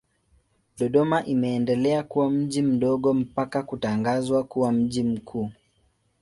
Dodoma imeendelea kuwa mji mdogo mpaka kutangazwa kuwa mji mkuu.